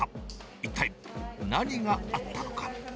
一体、何があったのか。